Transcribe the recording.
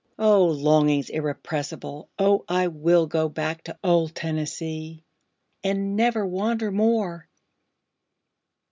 O longings irrepressible! O I will go back to old Tennessee, and never wander more!